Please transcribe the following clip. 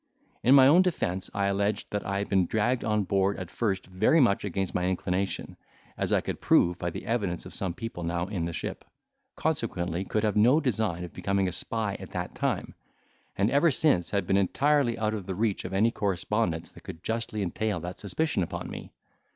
In my own defence, I alleged, that I had been dragged on board at first very much against my inclination, as I could prove by the evidence of some people now in the ship, consequently could have no design of becoming spy at that time; and ever since had been entirely out of the reach of any correspondence that could justly entail that suspicion upon me.